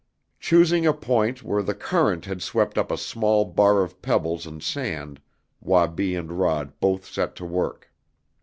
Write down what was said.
Choosing a point where the current had swept up a small bar of pebbles and sand Wabi and Rod both set to work.